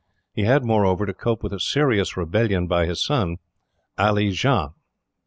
He had, moreover, to cope with a serious rebellion by his son, Ali Jah.